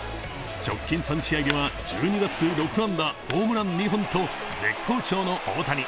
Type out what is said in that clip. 直近３試合では１２打数６安打ホームラン２本と絶好調の大谷。